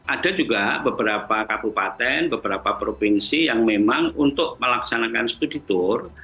ada juga beberapa kabupaten beberapa provinsi yang memang untuk melaksanakan studi tour